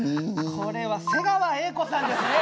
これは瀬川瑛子さんですね。